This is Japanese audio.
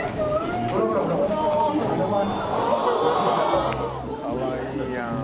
かわいいやん。